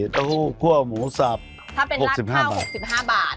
โต๊ะหู้ภั่วหมูสับ๖๕บาทถ้าเป็นรัดข้าว๖๕บาท